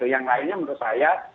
yang lainnya menurut saya